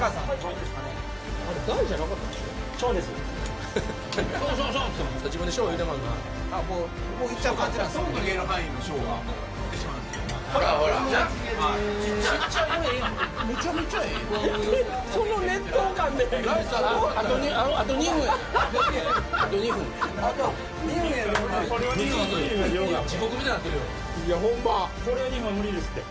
これ２分は無理ですって。